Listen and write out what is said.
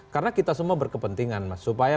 karena kita semua berkepentingan mas supaya